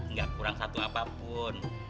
nggak kurang satu apapun